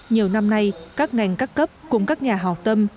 nhiều năm nay các ngành các cấp cùng các nhà hào tâm